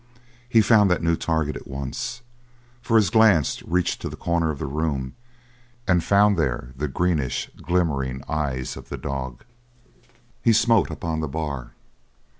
He found that new target at once, for his glance reached to the corner of the room and found there the greenish, glimmering eyes of the dog. He smote upon the bar.